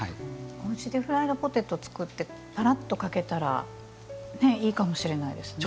おうちでフライドポテト作ってさらっと、かけたらいいかもしれないですね。